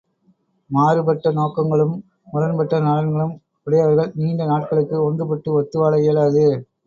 மாறுபட்ட நோக்கங்களும், முரண்பட்ட நலன்களும் உடையவர்கள் நீண்ட நாட்களுக்கு ஒன்றுபட்டு ஒத்து வாழ இயலாது.